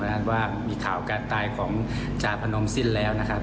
ว่ามีข่าวการตายของจาพนมสิ้นแล้วนะครับ